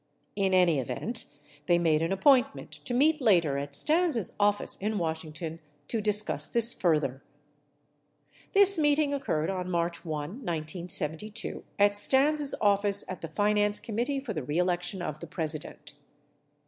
In any event, they made an appointment to meet later at Stans' office in Washington to discuss this further. This meeting occurred on March 1, 1972, at Stans' office at the Finance Committee for the Re Election of the President.